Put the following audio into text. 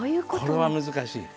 これは難しい。